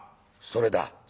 それだ。